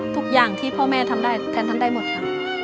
ทุกอย่างที่พ่อแม่ทำได้แทนทำได้หมดค่ะ